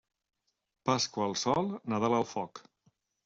Pasqua al sol, Nadal al foc.